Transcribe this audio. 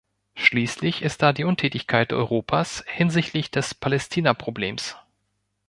Schließlich ist da die Untätigkeit Europas hinsichtlich des Palästinaproblems.